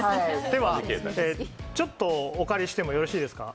ではちょっとお借りしていいですか。